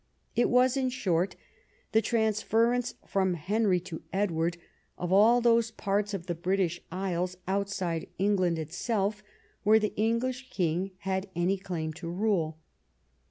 It was, in short, the transference from Henry to Edward of all those parts of the British Islands outside England itself where the English King had any claim to rule.